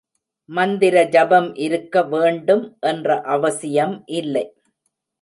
மந்திர ஜபம் இருக்க வேண்டும் என்ற அவசியம் இல்லை.